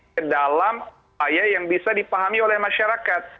ke dalam upaya yang bisa dipahami oleh masyarakat